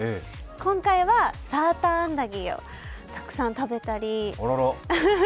今回はサーターアンダギーをたくさん食べたり。